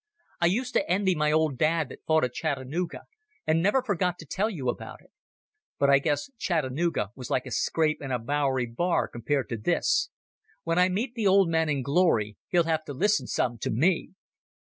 I used to envy my old dad that fought at Chattanooga, and never forgot to tell you about it. But I guess Chattanooga was like a scrap in a Bowery bar compared to this. When I meet the old man in Glory he'll have to listen some to me."